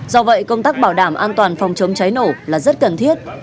do vậy công tác bảo đảm an toàn phòng chống cháy nổ là rất cần thiết